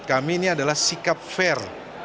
adalah sikap fair